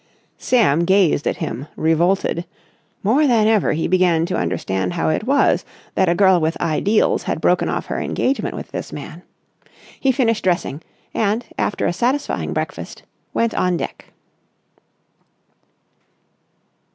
Sam gazed at him, revolted. More than ever he began to understand how it was that a girl with ideals had broken off her engagement with this man. He finished dressing, and, after a satisfying breakfast, went on deck.